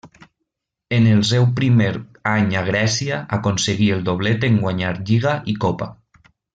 En el seu primer any a Grècia aconseguí el doblet en guanyar Lliga i Copa.